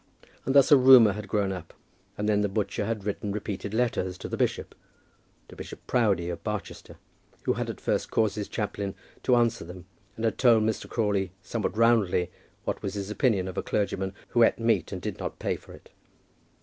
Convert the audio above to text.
And thus a rumour had grown up. And then the butcher had written repeated letters to the bishop, to Bishop Proudie of Barchester, who had at first caused his chaplain to answer them, and had told Mr. Crawley somewhat roundly what was his opinion of a clergyman who eat meat and did not pay for it.